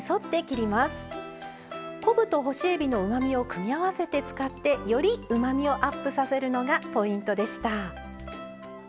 昆布と干しえびのうまみを組み合わせて使ってよりうまみをアップさせるのがポイントでした。